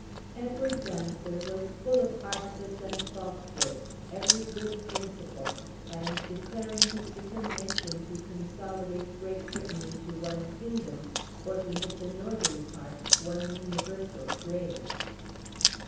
Edward's answer was full of artifice and falsehood, every good principle, and declaring his determination to consolidate Great Britain into one kingdom, or to make the northern part one universal grave.